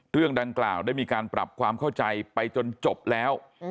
เรื่องดังกล่าวได้มีการปรับความเข้าใจไปจนจบแล้ว